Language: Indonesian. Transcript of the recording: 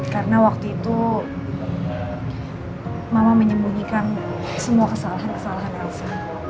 karena waktu itu mama menyembunyikan semua kesalahan kesalahan ransi